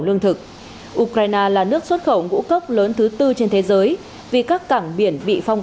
lương thực ukraine là nước xuất khẩu ngũ cốc lớn thứ tư trên thế giới vì các cảng biển bị phong